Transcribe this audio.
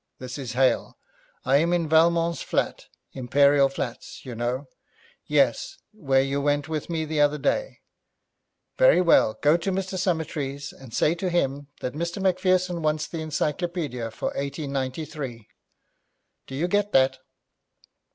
This is Hale. I am in Valmont's flat Imperial Flats you know. Yes, where you went with me the other day. Very well, go to Mr. Summertrees, and say to him that Mr Macpherson wants the encyclopaedia for 1893. Do you get that?